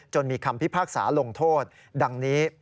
มีคำพิพากษาลงโทษดังนี้